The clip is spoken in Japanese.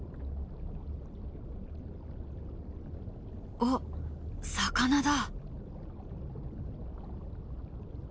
「おっ魚だ！」。